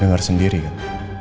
dengar sendiri kan